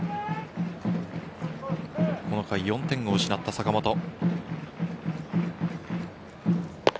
この回４点を失った坂本。